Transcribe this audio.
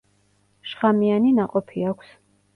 შხამიანი ნაყოფი აქვს.